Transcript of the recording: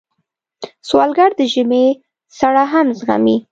سوالګر د ژمي سړه هم زغمي